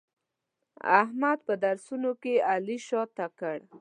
احمد په درسونو کې علي شاته کړ.